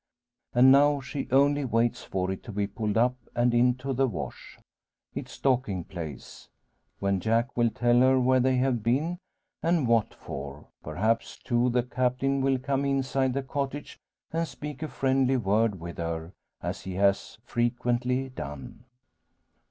And now she only waits for it to be pulled up and into the wash its docking place; when Jack will tell her where they have been, and what for; perhaps, too, the Captain will come inside the cottage and speak a friendly word with her, as he has frequently done.